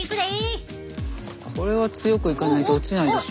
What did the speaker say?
これは強くいかないと落ちないでしょ？